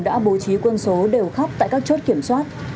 đã bố trí quân số đều khóc tại các chốt kiểm soát